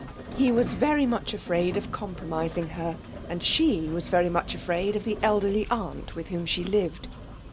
He was very much afraid of compromising her, and she was very much afraid of the elderly aunt with whom she lived.